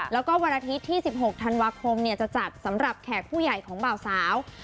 แล้วก็วันอาทิตย์ที่๑๖ธันวาคมจะจัดสำหรับแขกผู้ใหญ่ของบ่าวสาว